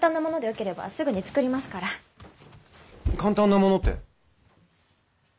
簡単なものって？